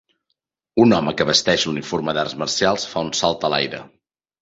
Un home que vesteix l'uniforme d'arts marcials fa un salt a l'aire.